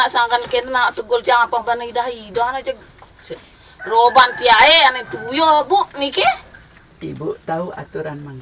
saya tidak tahu apa yang terjadi